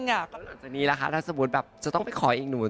หลังจากนี้ล่ะคะถ้าสมมุติแบบจะต้องไปขออีกหนู